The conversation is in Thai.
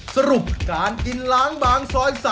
สรุปการกินล้างบาง